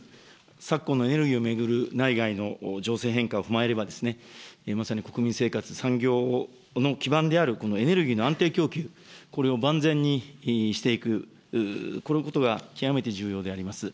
昨今のエネルギーを巡る内外の情勢変化を踏まえれば、まさに国民生活、産業の基盤であるこのエネルギーの安定供給、これを万全にしていく、このことが極めて重要であります。